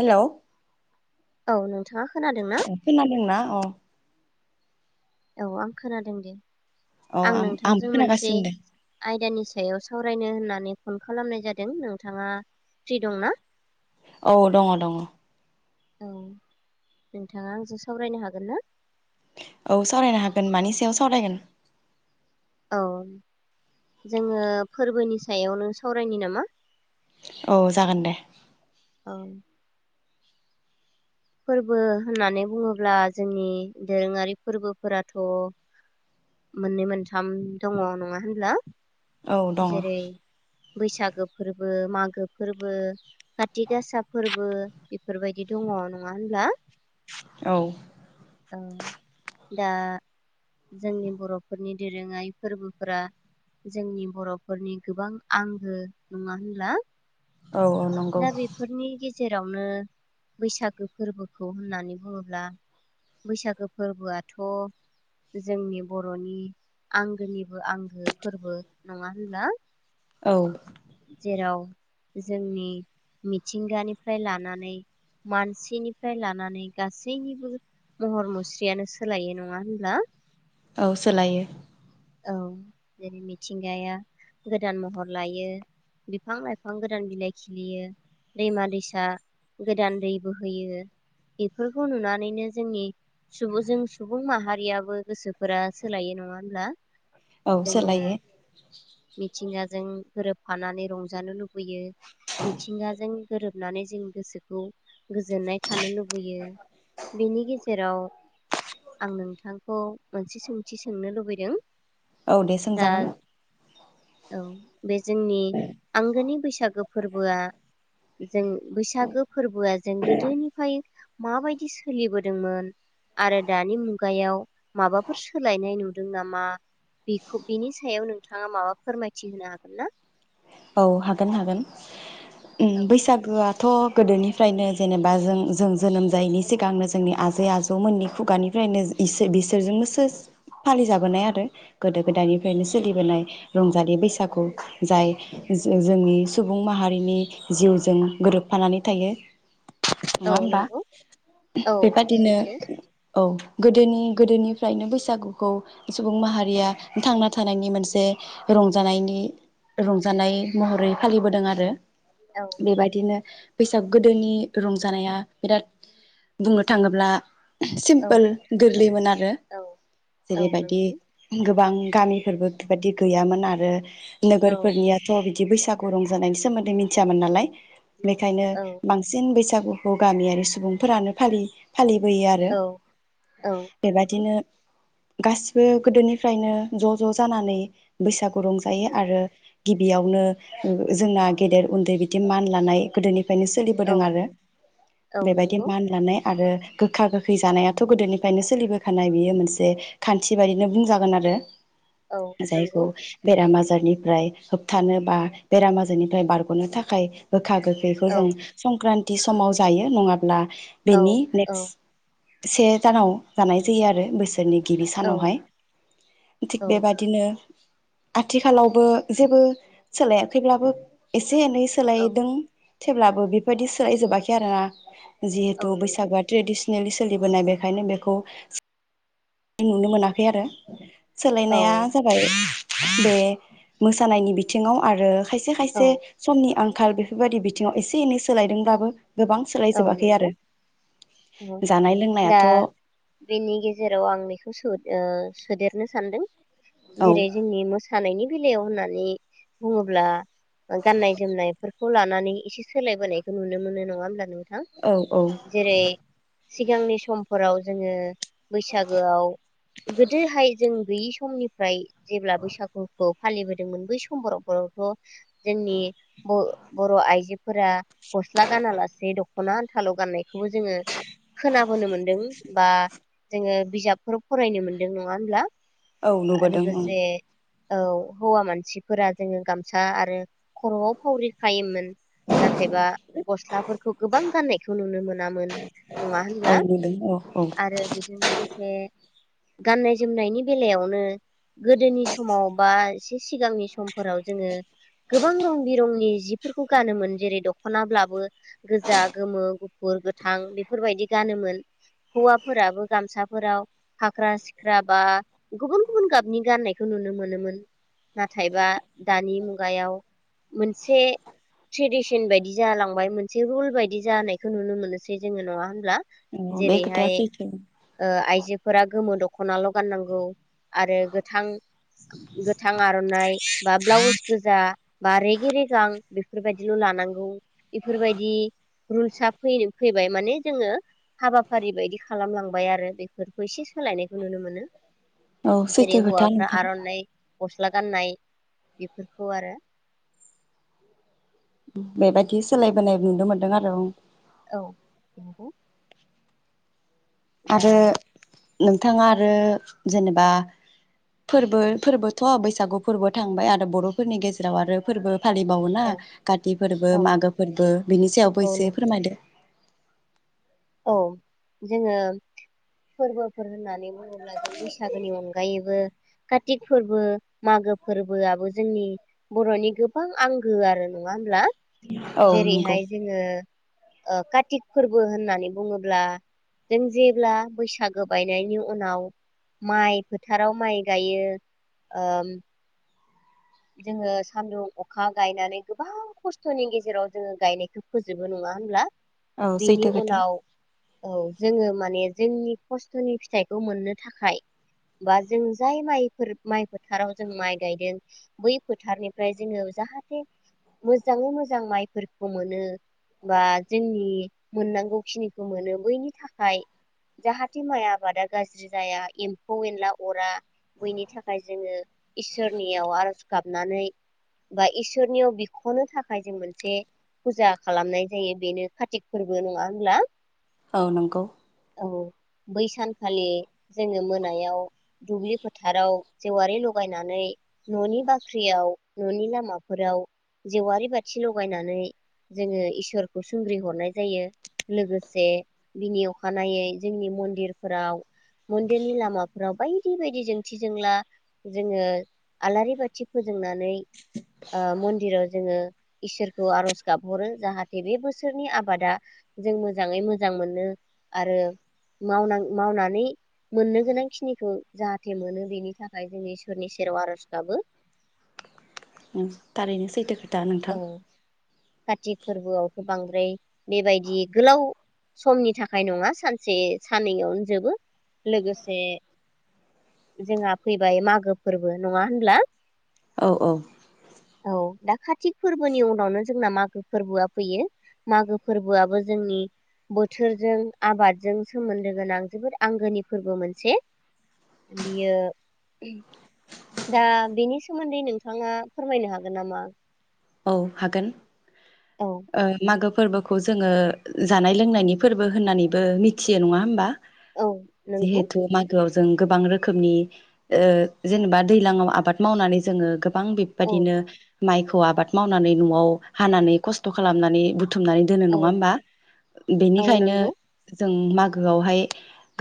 Hello औ नोंगौ खोनांदोंना औ औ आं खोनादों दे औ आं नोंथांजों मोनसे खोनागासिनो दे आयदानि सायाव सावरायनो होननानै फन खालामनाय जादों नोंथाङा फ्रि दंना औ दङ दङ औ नोंथाङा आंजों सावरायनो हागोन ना औ सावरायनो हागोन मानि सायाव सावरायगोन औ जोङो फोरबोनि सायावनो सावरायनि नामा औ जागोन दे औ फोरबो होननानै बुङोब्ला जोंनि दोरोङारि फोरबोफोराथ' मोननै मोनथाम दङ नङा होनब्ला औ दङ जेरै बैसागो फोरबो मागो फोरबो खाथि गासा फोरबो बेफोरबायदि दङ नङा होनब्ला औ औ दा जोंनि बर'फोरनि दोरोङारि फोरबोफोरा जोंनि बर'फोरनि गोबां आंगो नङा होनब्ला औ औ नंगौ जेरावनो बैसाग गो फोरबोखौ होननानै बुङोब्ला बैसागो फोरबोआथ' जोंनि बर'नि आंगोनिबो आंगो फोरबो नङा होनब्ला औ जेराव जोंनि मिथिंगानिफ्राय लानानै मानसि बिनिफ्राय लानानै गासैनिबो महर मुस्रियानो सोलायो नङा होनब्ला औ सोलायो औ जेरै मिथिंगाया गोदान महर लायो बिफां लाइफां गोदान बिलाइ खिलियो दैमा दैसा गोदान दै बो होयो बेफोरखौ नुनानैनो जोंनि सुबुं जों सुबुं माहारियाबो गोसोफोरा सोलायो नङा होनब्ला औ जोङो सोलायो मिथिंगाजों गोबफानानै रंजानो लुबैयो मिथिंगाजों गोरोबनानै जों गोसोखौ गोजोननाय थानो लुबैयो बेनि गेजेराव जेराव आं नोंथांखौ मोनसे सोंथि सोंनो लुबैदों औ दे दा सोंजागोन औ बे जोंनि आंगोनि बैसागो फोरबोआ जों बैसागो फोरबोआ जों गोदोनिफ्राय माबायदि सोलिबोदोंमोन आरो दानि मुगायाव माबाफोर सोलायनाय नुदों नामा बेखौ बिनि सायाव नोंथाङा माबा फोरमायथि होनो हागोन ना औ हागोन हागोन ओम बैसागो थ' गोदोनिफ्रायनो जेनेबा जों जों जोनोम जायैनि सिगांनो जोंनि आजै आजौमोननि खुगानिफ्रायनो बिसोरजोंनोसो फालिजाबोनाय आरो गोदो गोदायनिफ्रायनो सोलिबोनाय रंजालि बैसागु जाय जोंनि सुबुं माहारिनि जिउजों गोरोबफानानै थायो नङा औ होमबा नंगौ औ बेबादिनो सैथो औ गो गोदोनि गोदोनिफ्रायनो बैसागुखौ सुबुं माहारिया थांना थानायनि मोनसे रंजानायनि रंजा जानाय महरै फालिबोदों आरो औ बेबायदिनो बैसाग गोदोनि रंजानाया बिराद बुंनो थाङोब्ला औ सिमपोल गोरलैमोन आरो औ औ जेरैबायदि नंगौ गोबां गामिफोरबो बेबायदि गैयामोन आरो नोगोर औ फोरनियाथ' बिदि बैसागु रंजानायनि सोमोन्दै मिथियामोन नालाय बेखायनो औ बांसिन बेसे बैसागुखौ गामियारि सुबुंफोरानो फालियो फालिबोयो आरो औ औ नंगौ बेबायदिनो गासिबो गोदोनिफ्रायनो ज' ज' जानानै बैसाग खौ रंजायो औ आरो गिबियावनो जोंना गेदेर उन्दै बिदि मान लानाय गोदोनिफ्राय नो औ सोलिबोदों आरो औ बेबायदि नंगौ मान लानाय आरो गोखा गोखै जानायाथ' गोदोनिफ्रायनो सोलिबोखानाय बियो मोनसे खान्थि बायदिनो बुंजागोन आरो औ जायखौ नंगौ बेराम आजार रनिफ्राय होबथानो बा बेराम आजारनिफ्राय बारग'नो थाखाय गोखा गोखैखौ औ जों संक्रान्त थि समाव जायो नङाब्ला औ बेनि औ नेक्स्ट से दानाव जानाय जायो आरो बोसोरनि गिबि औ सानावहाय थिग औ बेबादिनो आथिखालावबो जेबो सोलायाखैब्लाबो एसे एसे एनै औ सोलायदों थेवब्लाबो बेफोरबायदि सोलाय जोबाखै आरोना औ जिहेतु नंगौ। बैसागुआ ट्रेडिसन सोलिबोनाय बेखायनो बेखौ नुनो मोनाखै आरो औ सोलायनाया जाबाय बे मोसानायनि बिथिङाव आरो खायसे औ खायसे समनि आं आंखाल बेफोरबायदि बिथिङाव एसे एनै सोलायदोंब्लाबो गोबां औ सोलायजोबाखै नोंगौ आरो औ जानाय दा लोंनायाथ' औ बेनि गेजेराव आं बेखौ सो ओ सोदेरनो सानदों जेरै जोंनि मोसानायनि बेलायाव होननानै बुङोब्ला गाननाय जोमनायफोरखौ लानानै एसे सोलायबोनायखौ नुनो मोनो नङा होमब्ला नु थां औ औ जेरै सिगांनि समफोराव जोङो बैसागोआव गोदोहाय जों गैयि समनिफ्राय जेब्ला बैसागुखौ फालिबोदोंमोन बै सम बरफोरावथ जोंनि ब बर' आइजो फोरा गस्ला गानालासे दख'ना आनथाल' गाननाय खौबो जोङो खोनाबोनो मोनदों बा जोङो बिजाबफोर फरायनो मोनदों नङा होमब्ला औ नुबोदों ओं लोगोसे औ हौवा मानसिफोरा जोङो गामसा आरो खर'आव फावरि खायोमोन नाथायबा गस्लाफोरखौ गोबां गाननायखौ नुनो मोनामोन नङा औ होनब्ला नुदों औ औ आरो बेजों लोगोसे गाननाय जोमनायनि बेलायावनो गोदोनि समाव बा एसे सिगांनि समफोराव जोङो गोबां रं बिरंनि जिफोरखौ गानोमोन जेरै दखना दख'नाल्बाबो गोजा गोमो गुफुर गोथां बेफोरबायदि गानोमोन हौवाफोराबो गामसा फोराव हाग्रा सिख्रा बा गुबुन गुबुन गाबनि गाननायखौ नुनो मोनोमोन नाथायबा दानि मुगायाव मोनसे ट्रेडिसन बायदि जालांबाय एसे रुल बायदि जानायखौ नुनो मोनोसै जोङो नङा होनब्ला बे खोथाया जेरैहाय सैथो आइजोफोरा गोमो दख'ना दख'नाल' गाननांगौ आरो गोथां गोथां आर'नाइ बा ब्लाउस गोजा बा रेगे रेगां बेफोरबायदिल' लानांगौ बेफोरबायदि रुल्सा फ फैबाय माने जोङो हाबाफारि बायदि खालामलांबाय आरो बेफोरखौ एसे सोलायनायखौ नुनो मोनो औ जेरै सैथो खोथा हौवाफ्रा नोंथां आर'नाइ गस्ला गाननाय बेफोरखौ आरो बेबायदि सोलायबोनाय नुनो मोनदों आरो ओं औ नंगौ दा आरो नोंथाङा आरो जेनेबा फोरबो फोरबोथ' बैसागु फोरबो थांबाय आरो बर'फोरनि गेजेराव आरो फोरबो फालिबावोना औ काति फोरबो औ मागो फोरबो बिनि सायावबो औ एसे नंगौ फोरमायदो औ जोङो फोरबोफोर होननानै बुङोब्ला अब्ला जों बैसागोनि अनगायैबो कारतिक फोरबो मागो फोरबोआबो जोंनि बर'नि गोबां आंगो आरो नङा होमब्ला औ नंगौ जेरैहाय जोङो ओ कार्तिक फोरबो होननानै बुङोब्ला जों जेब्ला बैसागो बायनायनि उनाव माइ फोथाराव माइ गायो जोङो सानदुं अखा गायनानै गोबां खस्थ'नि गेजेराव जोङो गायनायखौ फोजोबो नङा होमब्ला औ बिनि सैथो खोथा उनाव औ जोङो माने जोंनि खस्थ'नि फिथाइखौ मोननो थाखाय बा जों जाय माइफोर माइ फोथाराव जों माइ गायदों बै फोथारनिफ्राय जोङो जाहाथे मोजाङै मोजां माइफोरखौ मोनो बा जोंनि मोननांगौ खिनिखौ मोनो बैनि थाखाय जाहाथे माइ आबादा गाज्रि जाया एम्फौ एनला अरा बैनि थाखाय जोङो इसोरनियाव आरज गाबनानै बा इसोरनियाव बिख'नो थाखाय जों मोनसे फुजा खालामनाय जायो बेनो कारतिक फोरबो नङा होनब्ला औ नंगौ औ बै सानखालि जोङो मोनायाव दुब्लि फोथाराव जेवारि लगायनानै न'नि बाख्रि ख्रियाव न'नि लामाफोराव जेवारि बाथि लगायनानै जोङो इसोरखौ सुंग्रि हरनाय जायो लोगोसे बिनि अखानायै जोंनि मन्दिरफोराव मन्दिरनि लामाफोराव बाय बे बायदि जोंथि जोंला जोङो आलारि बाथि फोजोंनानै ओ मन्दिराव जोङो इसोरखौ आर'ज गाबहरो जाहाथे बे बोसोरनि आबादा जों मोजाङै मोजां मोनो आरो मावनां- मावनानै मोननो गोनां खिनिखौ जाहाथे मोनो बेनि थाखाय जों इसोरनि सेराव आर'ज गाबो उम थारैनो सैथो दा नोंथां कारतिक फोरबोआवथ' बांद्राय बेबायदि गोलाव समनि थाखाय नङा सानसे साननैयावनोजोबो लोगोसे जोंहा फैबाय मागो फोरबो नङा होनब्ला औ औ औ दा खातिक फोरबोनि उनावनो जोंना मागो फोरबोआ फैयो मागो फोरबोआबो जोंनि बोथोरजों आबादजों सोमोन्दो गोनां जोबोद आंगोनि फोरबो मोनसे बियो दा बेनि सोमोन्दै नोंथाङा फोरमायनो हागोन नामा औ हागोन औ ओ मागो फोरबोखौ जोङो जानाय लोंनायनि फोरबो होननानैबो मिथियो नङा होमबा औ नंगौ जिहेथु मागोआव जों गोबां रोखोमनि ओ जेनबा दैलाङाव आबाद मावनानै जोङो गो गोबां औ बेबादिनो माइखौ आबाद मावनानै न'आव हानानै खस्थ' खालामनानै बुथु थुमनानै दोनो नङा औ होमबा औ बेनिखायनो नंगौ जों मागोआवहाय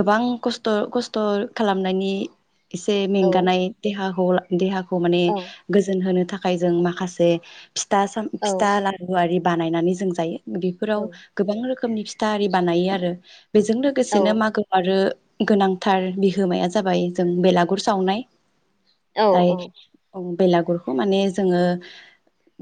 गोबां खस्थ' खस्थ' खालामनायनि एसे औ मेंगानाय देहाखौ देहा खौ माने औ गोजोन होनो थाखाय खाय जों माखासे फिथा साम औ फिथा लारु आरि बानायनानै जों जायो औ बेफोराव गोबां रोखोमनि मनि फिथा आरि बानायो आरो बेजों लोगोसेनो औ मागो आरो गोनांथार बिहोमाया जाबाय जों बेलागुर सावनाय औ दाय औ बेलागुरखौ माने जोङो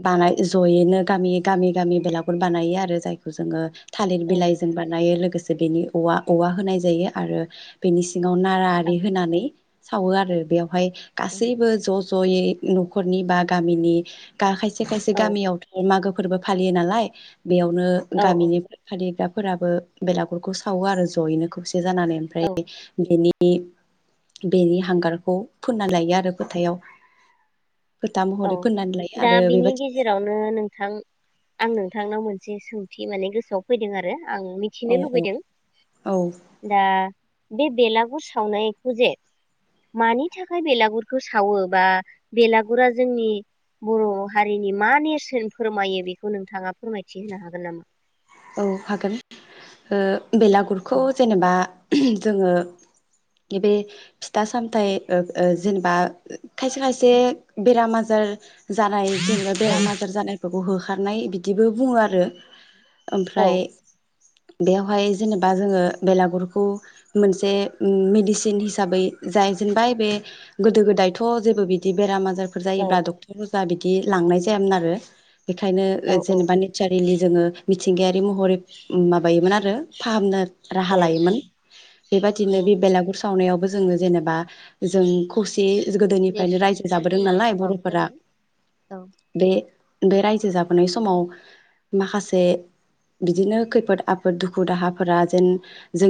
बानाय जयैनो गामि गामि गामि बेलागुर बानायो आरो जायखौ जोङो थालिर औ बिलाइ जों बानायो लोगोसे बेनि औवा औवा होनाय जायो आरो बेनि सिङाव नारा औ आरि होनानै सावो आरो बेयाव फाय गासैबो ज' जयै न'खरनि बा गामिनि गा खायसे खायसे गामियाथ' मागो फोरबो फालियो नालाय बेयावनो औ गामिनि फालिग्रा फोराबो बेलागुरखौ सावो आरो ज'यैनो खौसे जानानै ओमफ्राय औ बेनि नि बेनि हांगारखौ फोनना लायो आरो फोथायाव फोथा महरै फोननानै लायो आरो बेबायद जेरावनो नोंथां आं नोंथांनाव मोनसे सोंथि माने गोसोआव फैदों आरो आं औ मिथिनो औ लुबैदों औ दा बे बेलागुर सावनायखौ जे मानि थाखाय बेलागुरखौ सावो बा बेलागुरा जोंनि बर' हारिनि मा नेरसोन फोरमायो बेखौ नोंथाङा फोरमायथि होनो हागोन नामा औ हागोन ओ बेलागुरखौ औ जेनेबा जोङो बे फिथा सामथाय ओ ओ जेनेबा खसे खायसे बेराम आजार जान नाय जोङो औ बेमार आजार जानाय बेखौ होखारनाय बिदिबो बुङो आरो औ ओमफ्राय बेआवहाय जेनेबा जोङो बेलागुरखौ मोनसे मेडिसिन हिसाबै जायजेनबाय बे गोदो गोदायथ' जेबो बिदि बेराम आज जारफोर औ जायोब्ला डक्टर अज जा बिदि लांनाय जायामोन आरो बेखायनो औ औ जेनेबा नेचारेलि जोङो मिथिंगायारि महरै माबायोमोन आरो फाहामनो राहा औ लायोमोन बेबादिनो औ बे बेलागुर स सावनायावबो जेनेबा जों खौ ए दे गोदोनिफ्रायनो रायजो बिदिब्ला जाबोदों जोंना नालाय समाबो बर'फोरा जाबाय औ बे बे रायजो जाबोनाय समाव माखासे बिदिनो खैफोद आफोद दुखु दाहाफोरा जेन जों